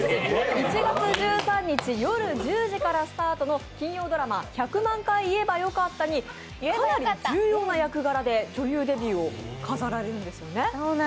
１月１３日夜１０時からスタートの金曜ドラマ「１００万回言えばよかった」にかなり重要な役柄で女優デビューを飾られるんですよね。